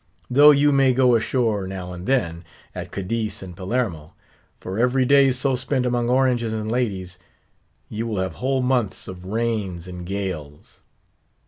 Though you may go ashore, now and then, at Cadiz and Palermo; for every day so spent among oranges and ladies, you will have whole months of rains and gales.